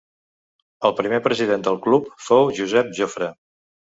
El primer president del club fou Josep Jofre.